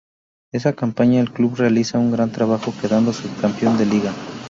Esa campaña el club realiza un gran trabajo quedando subcampeón de Liga.